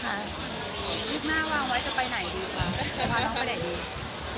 คิดมากว่าจะไปไหนอีกหรือเปล่า